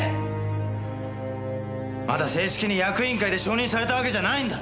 まだ正式に役員会で承認されたわけじゃないんだ。